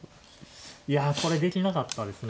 いやこれできなかったですね。